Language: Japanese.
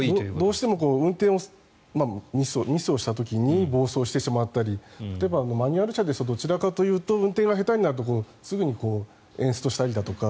どうしても運転ミスした時に暴走してしまったり例えばマニュアル車ですとどちらかというと運転が下手になるとすぐにエンストしたりだとか